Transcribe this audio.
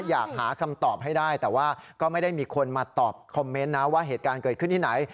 อยากหาคำตอบให้ได้แต่ว่าก็ไม่ได้มีคนมาตอบคอมเมนต์นะว่าเหตุการณ์เกิดขึ้นที่ไหน